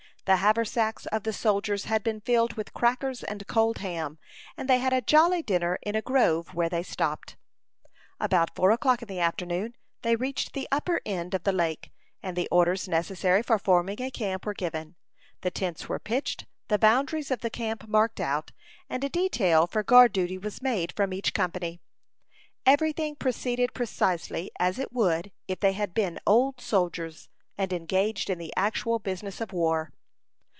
The haversacks of the soldiers had been filled with crackers and cold ham, and they had a jolly dinner in a grove where they stopped. About four o'clock in the afternoon, they reached the upper end of the lake, and the orders necessary for forming a camp were given. The tents were pitched, the boundaries of the camp marked out, and a detail for guard duty was made from each company. Every thing proceeded precisely as it would if they had been old soldiers, and engaged in the actual business of war.